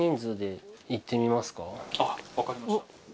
あっ分かりました。